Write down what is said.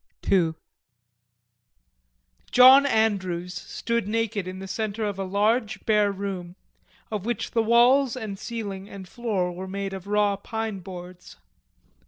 II John Andrews stood naked in the center of a large bare room, of which the walls and ceiling and floor were made of raw pine boards.